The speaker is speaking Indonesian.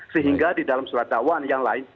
sehingga di dalam surat dakwaan yang lain